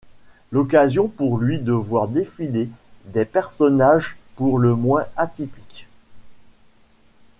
L'occasion pour lui de voir défiler des personnages pour le moins atypiques.